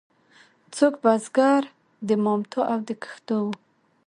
څوک بزګر د مامتو او د کښتو وو.